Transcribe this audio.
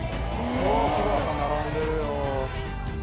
また並んでるよ。